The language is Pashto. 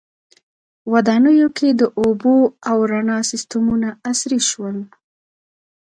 • ودانیو کې د اوبو او رڼا سیستمونه عصري شول.